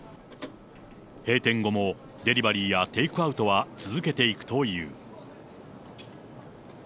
閉店後もデリバリーやテイクアウトは続けていくという。